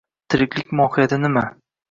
Tiriklik mohiyati nima?